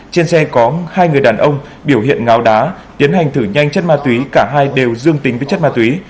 trên xe có hai người đàn ông biểu hiện ngáo đá tiến hành thử nhanh chất ma túy cả hai đều dương tính với chất ma túy